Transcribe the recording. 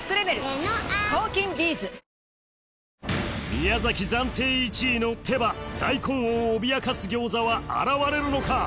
宮崎暫定１位の手羽大根を脅かす餃子は現れるのか？